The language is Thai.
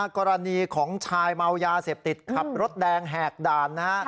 กรณีของชายเมายาเสพติดขับรถแดงแหกด่าน